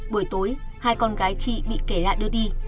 buổi tối hai con gái chị bị kể lại đưa đi